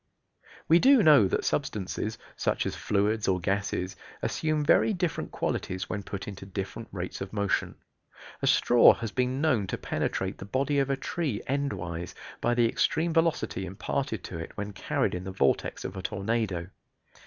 We do know that substances, such as fluids or gases, assume very different qualities when put into different rates of motion. A straw has been known to penetrate the body of a tree endwise by the extreme velocity imparted to it when carried in the vortex of a tornado.